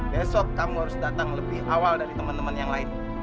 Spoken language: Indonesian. besok kamu harus datang lebih awal dari teman teman yang lain